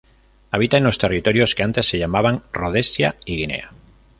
Habita en los territorios que antes se llamaban Rodesia y Guinea.